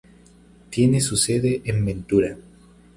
Tiene su sede en Ventura.